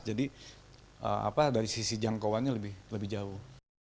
jadi dari sisi jangkauannya lebih jauh